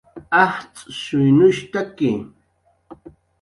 ajtz'shuynushtaki